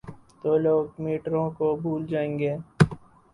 تو لوگ میٹرو کو بھول جائیں گے۔